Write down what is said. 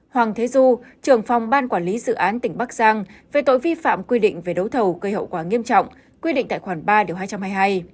hoàng thế du trưởng phòng ban quản lý dự án tỉnh bắc giang về tội vi phạm quy định về đấu thầu gây hậu quả nghiêm trọng quy định tại khoản ba điều hai trăm hai mươi hai